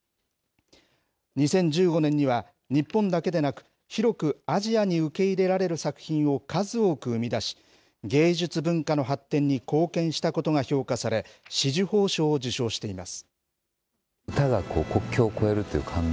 ２０１５年には、日本だけでなく、広くアジアに受け入れられる作品を数多く生み出し、芸術文化の発展に貢献したことが評価され、紫綬褒章を受章しています。